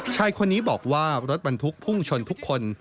ชายคนนี้บอกว่ารถบรรทุกพุ่งชนทุกคน